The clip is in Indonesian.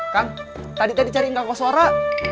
kang tadi tadi cariin kakak suara